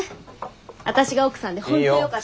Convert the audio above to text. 私が奥さんで本当よかったね。